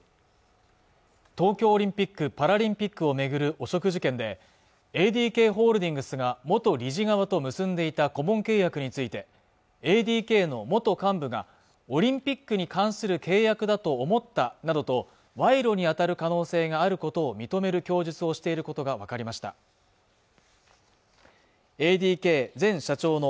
東京オリンピック・パラリンピックを巡る汚職事件でＡＤＫホールディングスが元理事側と結んでいた顧問契約についてＡＤＫの元幹部がオリンピックに関する契約だと思ったなどと賄賂に当たる可能性があることを認める供述をしていることが分かりましたＡＤＫ前社長の